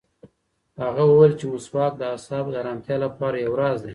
هغه وویل چې مسواک د اعصابو د ارامتیا لپاره یو راز دی.